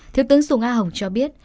thiếu tướng sùng a hồng cho biết